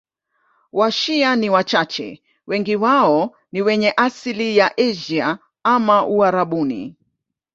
Washia ni wachache, wengi wao ni wenye asili ya Asia au Uarabuni.